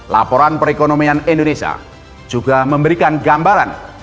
laporan perekonomian indonesia juga memberikan gambaran